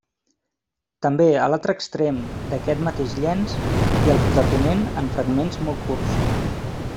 També a l'altre extrem d'aquest mateix llenç i al de ponent en fragments molt curts.